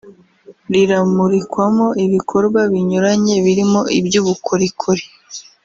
riramurikwamo ibikorwa binyuranye birimo iby’ubukorikori